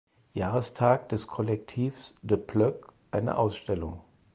Jahrestags des Kollektivs "De Ploeg" eine Ausstellung.